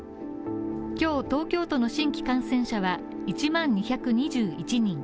今日、東京都の新規感染者は１万２２１人。